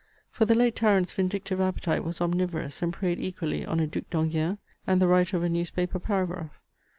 For the late tyrant's vindictive appetite was omnivorous, and preyed equally on a Duc d'Enghien , and the writer of a newspaper paragraph.